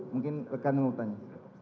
mungkin rekan mau tanya